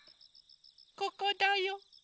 ・ここだよ。